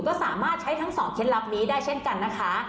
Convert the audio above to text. ก็สามารถใช้ทั้งสองเคล็ดลับนี้ได้เช่นกันนะคะ